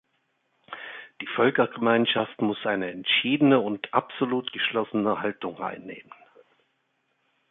Die Völkergemeinschaft muss eine entschiedene und absolut geschlossene Haltung einnehmen.